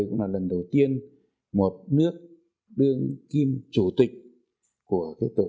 họ là những người bạn của chúng ta